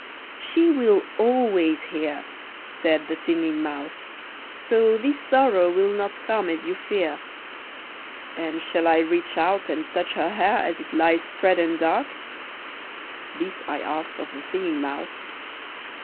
"She will always hear," said the Singing Mouse. "So this sorrow will not come as you fear." "And shall I reach out and touch her hair as it lies spread and dark?" This I asked of the Singing Mouse.